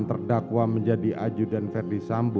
terdakwa menjadi ajudan verdi sambo